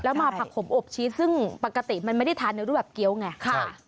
แล้วมาผักผมอบชีสซึ่งปกติมันไม่ได้ทานในรูปแบบเกี้ยวไง